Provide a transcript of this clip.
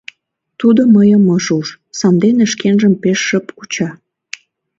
Тудо мыйым ыш уж, сандене шкенжым пеш шып куча.